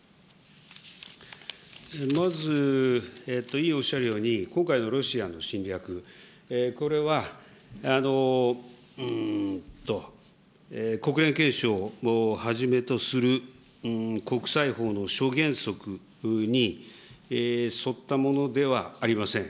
まず、委員おっしゃるように、今回のロシアの侵略、これは国連憲章をはじめとする国際法の諸原則に沿ったものではありません。